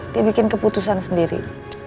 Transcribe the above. dia bikin keputusan sendiri